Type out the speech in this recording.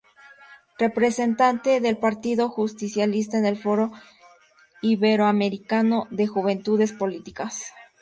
Representante del Partido Justicialista en el foro Iberoamericano de Juventudes Políticas.